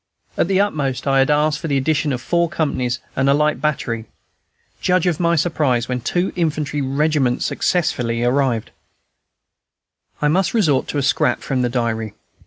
At the utmost, I had asked for the addition of four companies and a light battery. Judge of my surprise when two infantry regiments successively arrived! I must resort to a scrap from the diary.